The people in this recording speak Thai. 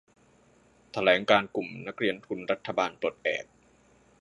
แถลงการณ์กลุ่มนักเรียนทุนรัฐบาลปลดแอก